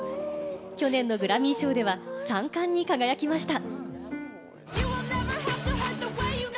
去年のグラミー賞では３冠に輝きました。